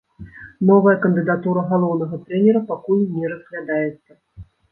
Новая кандыдатура галоўнага трэнера пакуль не разглядаецца.